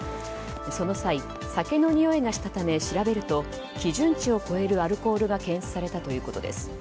その際酒のにおいがしたため調べると基準値を超えるアルコールが検出されたということです。